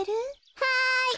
はい。